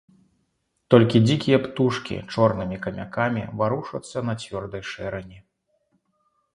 Толькі дзікія птушкі чорнымі камякамі варушацца на цвёрдай шэрані.